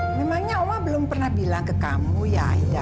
memangnya oma belum pernah bilang ke kamu ya aida